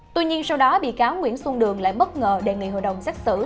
tuy nhiên sau đó bị cáo nguyễn xuân đường lại bất ngờ đề nghị hội đồng xét xử